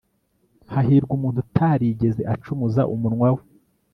hahirwa umuntu utarigeze acumuza umunwa we